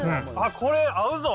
これ、合うぞ。